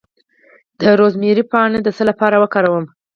د روزمیری پاڼې د څه لپاره وکاروم؟